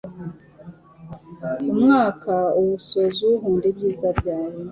Umwaka uwusoza uwuhunda ibyiza byawe